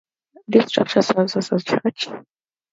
This structure serves as a church.